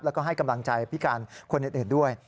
แล้วก็ให้กำลังใจพิการคนอื่นด้วย